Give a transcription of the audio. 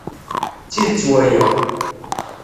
D tidet waya.